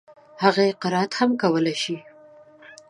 هغه يې قرائت هم کولای شي.